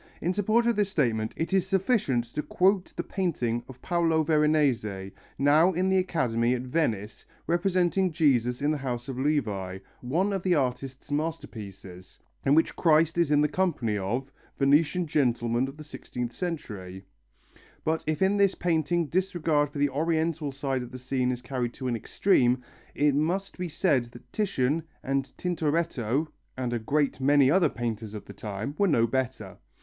In support of this statement it is sufficient to quote the painting of Paolo Veronese, now in the Academy at Venice, representing Jesus in the house of Levi, one of the artist's masterpieces, in which Christ is in the company of Venetian gentlemen of the sixteenth century; but if in this painting disregard for the Oriental side of the scene is carried to an extreme, it must be said that Titian and Tintoretto, and a great many other painters of the time, were no better.